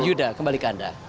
yuda kembali ke anda